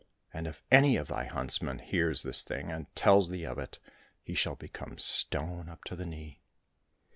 And if any of thy huntsmen hears this thing, and tells thee of it, he shall become stone up to the knee.'